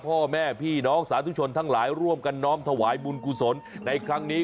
พ่อแม่พี่น้องสาธุชนทั้งหลายร่วมกันน้อมถวายบุญกุศลในครั้งนี้